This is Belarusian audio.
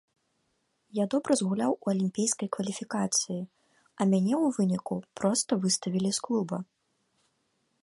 Я добра згуляў у алімпійскай кваліфікацыі, а мяне ў выніку проста выставілі з клуба.